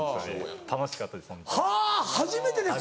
楽しかったです